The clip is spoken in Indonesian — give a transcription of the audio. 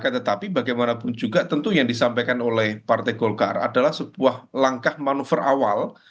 tetapi bagaimanapun juga tentu yang disampaikan oleh partai golkar adalah sebuah langkah manuver awal